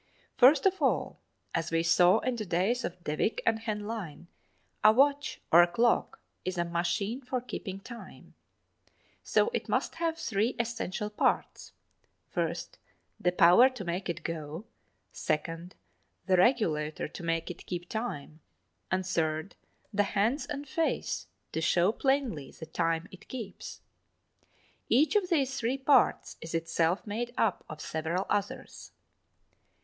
First of all, as we saw in the days of De Vick and Henlein, a watch, or a clock, is a machine for keeping time. So it must have three essential parts: first, the power to make it go; second, the regulator to make it keep time; and third, the hands and face to show plainly the time it keeps. Each of these three parts is itself made up of several others.